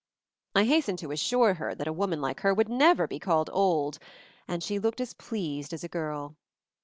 I hastened to assure her that a woman like her would never be called old — and she looked as pleased as a girl.